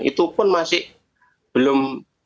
itu pun masih belum